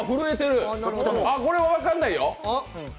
あっ、これは分かんないよ！